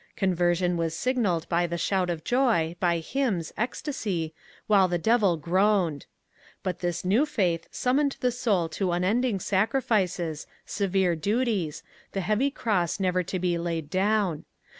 Conversion was signalled by the shout of joy, by hymns, ecstasy, while the devil groaned. But this new faith summoned the soul to unending sacrifices, severe duties, the heavy cross never to be laid down.